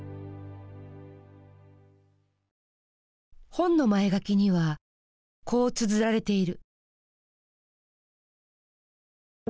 本の「まえがき」にはこうつづられている。